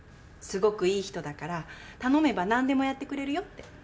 すごくいい人だから頼めば何でもやってくれるよって。